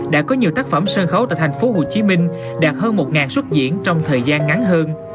đã có nhiều tác phẩm sân khấu tại thành phố hồ chí minh đạt hơn một xuất diễn trong thời gian ngắn hơn